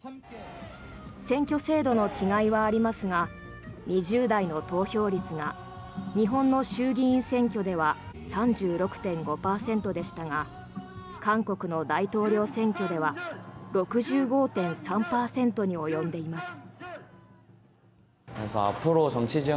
選挙制度の違いはありますが２０代の投票率が日本の衆議院選挙では３６．５％でしたが韓国の大統領選挙では６５．３％に及んでいます。